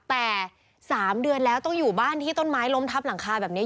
แต่๓เดือนแล้วต้องอยู่บ้านที่ต้นไม้ล้มทับหลังคาแบบนี้